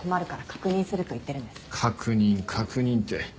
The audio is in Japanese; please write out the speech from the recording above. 確認確認って。